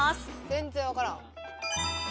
全然わからん。